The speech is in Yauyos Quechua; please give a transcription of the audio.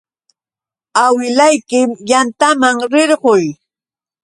Awilayki yantaman rirquy.